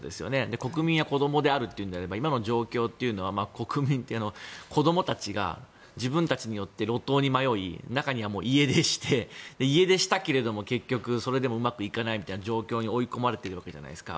国民は子供であるというなら今の状況というのは国民という子供たちが自分たちによって路頭に迷い中には家出して家出したけれども結局、それでもうまくいかないみたいな状況に追い込まれているわけですよね。